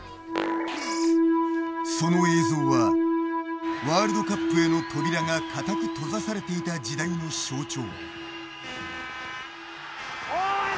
その映像はワールドカップへの扉が固く閉ざされていた時代の象徴。